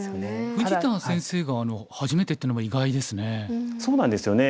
富士田先生が初めてっていうのは意外ですね。